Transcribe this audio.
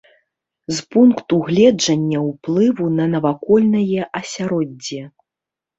З пункту гледжання ўплыву на навакольнае асяроддзе.